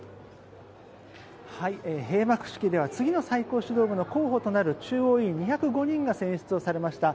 閉幕式では次の最高指導部の候補となる中央委員２０５人が選出をされました。